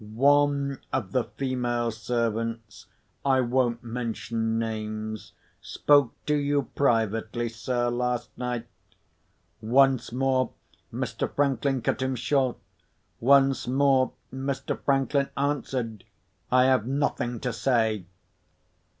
"One of the female servants (I won't mention names) spoke to you privately, sir, last night." Once more Mr. Franklin cut him short; once more Mr. Franklin answered, "I have nothing to say."